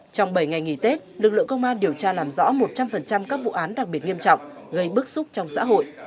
trong bảy ngày nghỉ tết lực lượng công an điều tra làm rõ một trăm linh các vụ án đặc biệt nghiêm trọng gây bức xúc trong xã hội